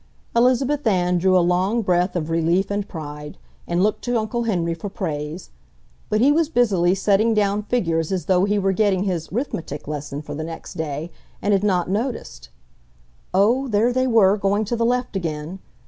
Elizabeth Ann drew a long breath of relief and pride, and looked to Uncle Henry for praise. But he was busily setting down figures as though he were getting his 'rithmetic lesson for the next day and had not noticed ... Oh, there they were going to the left again!